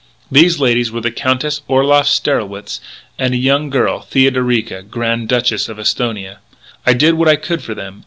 These ladies were the Countess Orloff Strelwitz, and a young girl, Theodorica, Grand Duchess of Esthonia.... I did what I could for them.